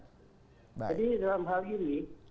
jadi dalam hal ini